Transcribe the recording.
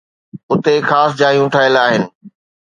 اتي خاص جايون ٺهيل آهن